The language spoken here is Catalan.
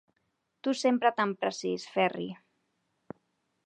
Tu sempre tan precís, Ferri.